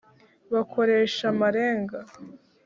bakoresha amarenga